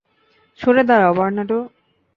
সরে দাঁড়াও, বার্নার্ডো।